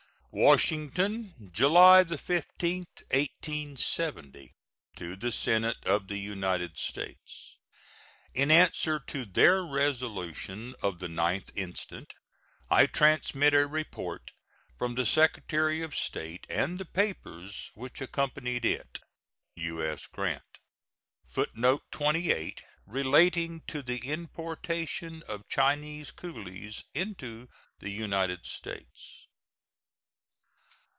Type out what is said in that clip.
WASHINGTON, July 15, 1870. To the Senate of the United States: In answer to their resolution of the 9th instant, I transmit a report from the Secretary of State and the papers which accompanied it. U.S. GRANT. [Footnote 28: Relating to the importation of Chinese coolies into the United States.